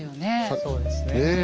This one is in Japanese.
そうですね。ねえ？